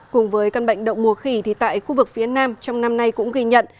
cùng với căn bệnh đậu mùa khỉ thì tại khu vực phía nam trong năm nay cũng ghi nhận